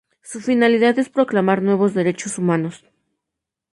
Su finalidad es proclamar nuevos derechos humanos.